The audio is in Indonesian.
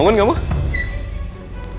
namun tetap pergi